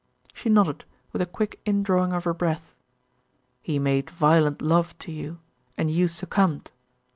She nodded, with a quick indrawing of her breath. "He made violent love to you and you succumbed.